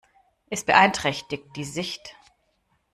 Es beeinträchtigt die Sicht.